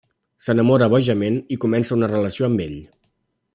S’enamora bojament i comença una relació amb ell.